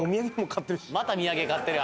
また土産買ってるよ